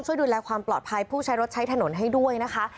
ช่วยดูแลความปลอดภัยผู้ใช้รถใช้ถนนให้ด้วยนะคะ